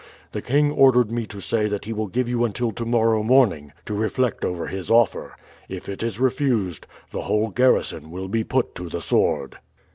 The king ordered me to say that he will give you until to morrow morning to reflect over his offer. If it is refused the whole garrison will be put to the sword."